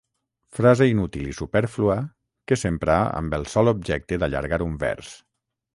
Frase, inútil i supèrflua, que s'empra amb el sol objecte d'allargar un vers.